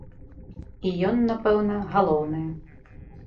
І ён, напэўна, галоўнае.